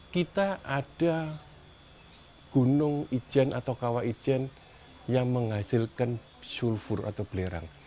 kita ada gunung ijen atau kawah ijen yang menghasilkan sulfur atau belerang